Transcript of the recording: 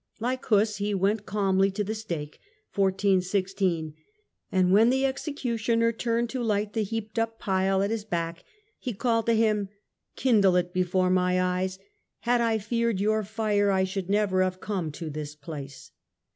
Like Huss he went calmly to the stake, and when the executioner turned to light the heaped up pile at his back, he called to him :" Kindle it before my eyes ; had I feared your fire, I should never have come to this place